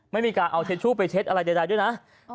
ไม่มีการเอาเช็ดชู่ไปเช็ดอะไรใดด้วยนะ